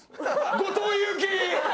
後藤祐樹！